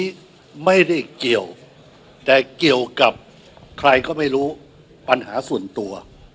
นี้ไม่ได้เกี่ยวแต่เกี่ยวกับใครก็ไม่รู้ปัญหาส่วนตัว